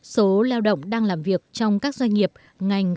số lao động đang làm việc trong các doanh nghiệp công nghiệp